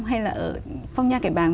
hay là ở phong nha cải bàng